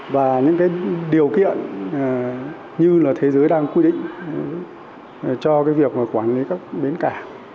và những điều kiện như là thế giới đang quy định cho việc quản lý các bến cả